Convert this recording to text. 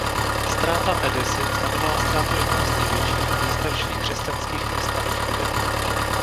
Ztráta Edessy znamenala ztrátu jednoho z největších a nejstarších křesťanských měst na východě.